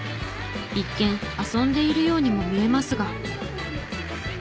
一見遊んでいるようにも見えますが。